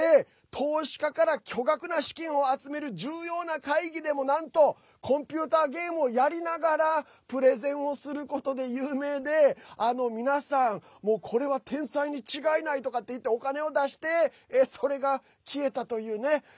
それで巨額な資金を集める重要な会議でもなんと、コンピューターゲームをやりながらプレゼンをすることで有名で皆さん、これは天才に違いないっていってお金を出してそれが消えたというね。